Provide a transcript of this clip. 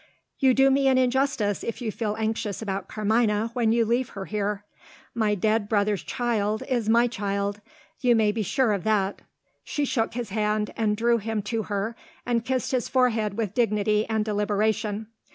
"You do me an injustice if you feel anxious about Carmina, when you leave her here. My dead brother's child, is my child. You may be sure of that." She took his hand, and drew him to her, and kissed his forehead with dignity and deliberation.